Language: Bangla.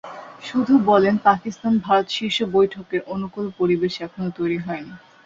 শুধু বলেন, পাকিস্তান ভারত শীর্ষ বৈঠকের অনুকূল পরিবেশ এখনো তৈরি হয়নি।